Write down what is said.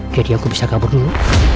jadi aku bisa kabur dulu